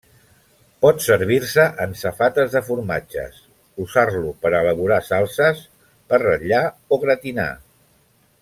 Pot servir-se en safates de formatges, usar-lo per a elaborar salses, per ratllar o gratinar.